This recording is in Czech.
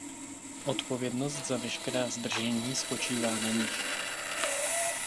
Odpovědnost za veškerá zdržení spočívá na nich.